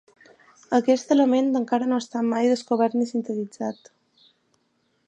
Aquest element encara no ha estat mai descobert ni sintetitzat.